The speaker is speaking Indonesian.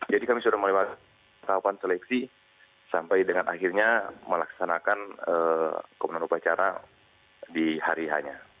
jadi kami sudah melakukan seleksi sampai dengan akhirnya melaksanakan komponen upacara di hari hanya